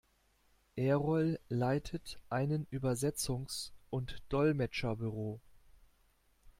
Erol leitet einen Übersetzungs- und Dolmetscherbüro.